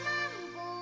mereka bisa menggoda